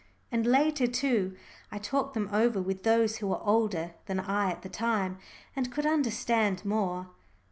And later, too, I talked them over with those who were older than I at the time, and could understand more.